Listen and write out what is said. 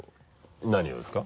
何をですか？